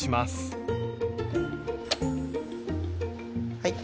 はい。